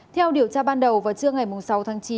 theo điều tra ban đầu vào trưa ngày sáu tháng chín